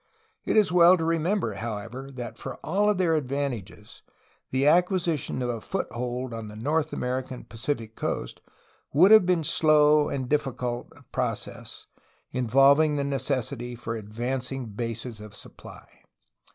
It is well to remember, however, that for all their advantages, the acquisition of a foot hold on the North American Pacific coast would have been a slow and difficult process, involving the necessity for advancing bases of supply.